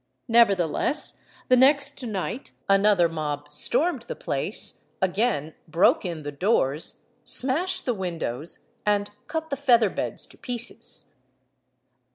Nevertheless, the next night another mob stormed the place, again broke in the doors, smashed the windows, and cut the feather beds to pieces.